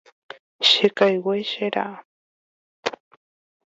Chekaigue, che ra'a.